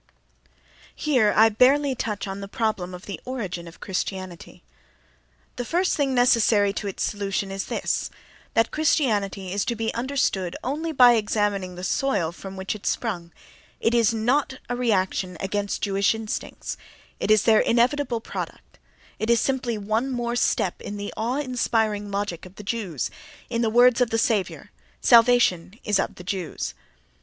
24. Here I barely touch upon the problem of the origin of Christianity. The first thing necessary to its solution is this: that Christianity is to be understood only by examining the soil from which it sprung—it is not a reaction against Jewish instincts; it is their inevitable product; it is simply one more step in the awe inspiring logic of the Jews. In the words of the Saviour, "salvation is of the Jews."